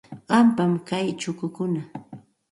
Qampam kay chukukuna.